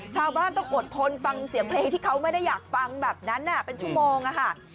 ชาวบ้านต้องอดทนฟังเสียงเพลงที่เขาไม่ได้อยากฟังแบบนั้นเป็นชั่วโมงค่ะ